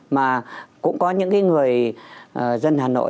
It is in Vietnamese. mà cũng có những người dân hà nội